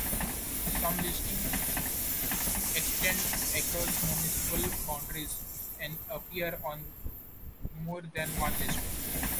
Some listings extend across municipal boundaries, and appear on more than one list.